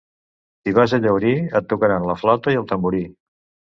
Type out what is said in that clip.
Si vas a Llaurí, el tocaran la flauta i el tamborí.